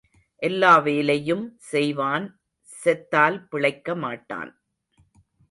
எல்லா வேலையும் செய்வான் செத்தால் பிழைக்கமாட்டான்.